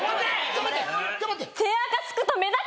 ・・頑張って！